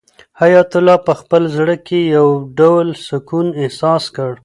حیات الله په خپل زړه کې یو ډول سکون احساس کړ.